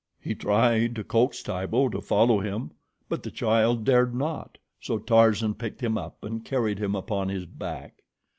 He tried to coax Tibo to follow him; but the child dared not, so Tarzan picked him up and carried him upon his back.